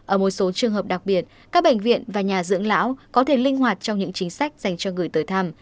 ở một số trường hợp đặc biệt các bệnh viện và nhà dưỡng lão có thể linh hoạt trong những chính sách dành cho người tới thăm